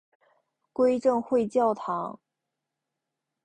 归正会教堂。